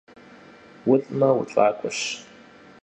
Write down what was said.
УлӀмэ, улӀакъуэщ.